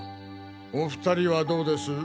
お２人はどうです？